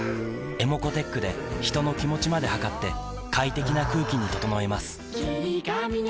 ｅｍｏｃｏーｔｅｃｈで人の気持ちまで測って快適な空気に整えます